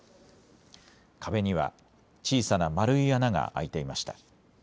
壁には小さな丸い穴が開いていました。